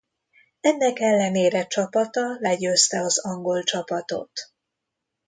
Ennek ellenére csapata legyőzte az angol csapatot.